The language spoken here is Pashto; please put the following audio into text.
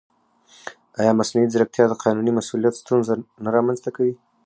ایا مصنوعي ځیرکتیا د قانوني مسؤلیت ستونزه نه رامنځته کوي؟